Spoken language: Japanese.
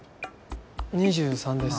２３です。